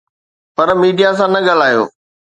پر media سان نه ڳالهايو